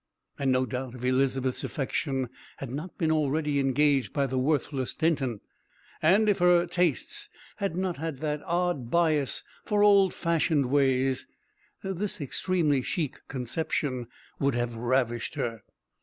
And no doubt, if Elizabeth's affection had not been already engaged by the worthless Denton, and if her tastes had not had that odd bias for old fashioned ways, this extremely chic conception would have ravished her.